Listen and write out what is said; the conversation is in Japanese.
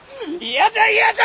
嫌じゃ！